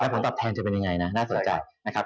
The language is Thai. ผลตอบแทนจะเป็นยังไงนะน่าสนใจนะครับ